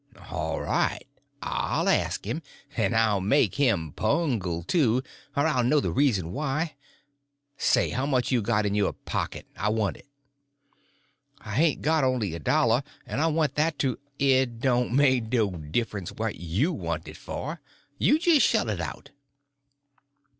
"All right. I'll ask him; and I'll make him pungle, too, or I'll know the reason why. Say, how much you got in your pocket? I want it." "I hain't got only a dollar, and I want that to—" "It don't make no difference what you want it for—you just shell it out."